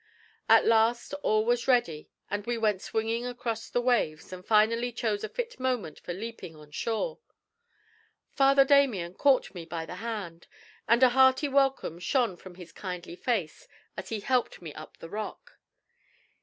At last all was ready, and we went swinging across the waves, and finally chose a fit moment for leaping on shore. Father Damien caught me by the hand, and a hearty welcome shone from his kindly face as he helped me up the rock.